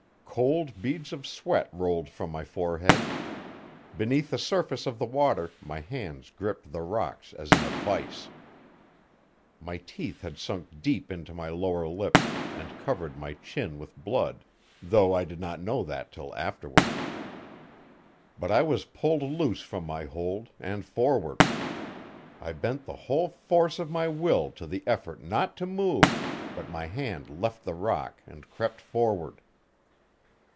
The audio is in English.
Cold beads of sweat rolled from my forehead. Beneath the surface of the water my hands gripped the rocks as in a vise. My teeth had sunk deep into my lower lip and covered my chin with blood, though I did not know that till afterward. But I was pulled loose from my hold, and forward. I bent the whole force of my will to the effort not to move, but my hand left the rock and crept forward.